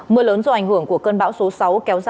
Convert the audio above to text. mưa lớn do ảnh hưởng của cơn bão số sáu